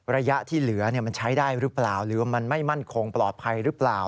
ระยะที่เหลือมันใช้ได้หรือเปล่าหรือว่ามันไม่มั่นคงปลอดภัยหรือเปล่า